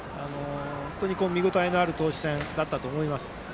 本当に見応えのある投手戦だったと思います。